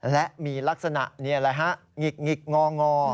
และมีลักษณะนี่แหละฮะหงิกงองอ